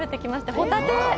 ホタテ！